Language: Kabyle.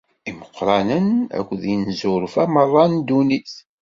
Imeqqranen akked inezzurfa meṛṛa n ddunit.